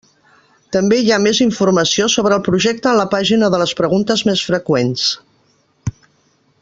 També hi ha més informació sobre el projecte en la pàgina de les preguntes més freqüents.